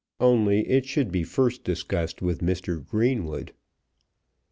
Only it should be first discussed with Mr. Greenwood.